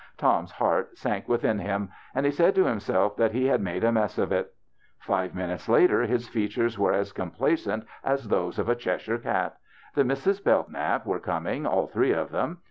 Tom's heart sank within him, and he said to himself that he had made a mess of it. Five minutes later his features were as complacent as those of a Cheshire cat. The Misses Belllmap were coming, all three of them.